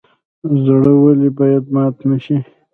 زړه ولې باید مات نشي؟